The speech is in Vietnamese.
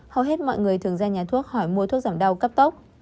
hầu hết mọi người thường ra nhà thuốc hỏi mua thuốc giảm đau cấp tốc